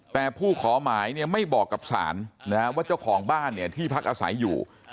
แต่ผู้ขอหมายเนี่ยไม่บอกกับศาลว่าเจ้าของบ้านเนี่ยที่พักอาศัยอยู่